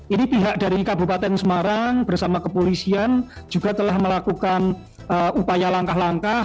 ini pihak dari kabupaten semarang bersama kepolisian juga telah melakukan upaya langkah langkah